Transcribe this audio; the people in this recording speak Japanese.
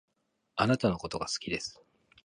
あなたのことが好きです